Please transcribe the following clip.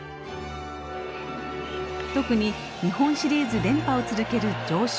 特に日本シリーズ連覇を続ける常勝